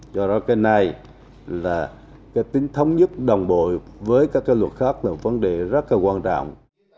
do đó cái này tính thống nhất đồng bội với các luật khác là vấn đề rất quan trọng